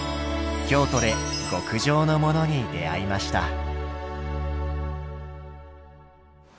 京都で極上のモノに出会いました。